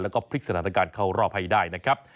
แล้วก็พลิกสถานการณ์เข้ารอบให้ได้นะครับ